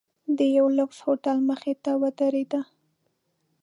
د یوه لوکس هوټل مخې ته ودریده.